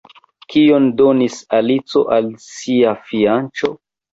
Kion donis Alico al sia fianĉo?